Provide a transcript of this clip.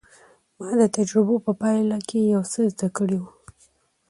ما د تجربو په پايله کې يو څه زده کړي وو.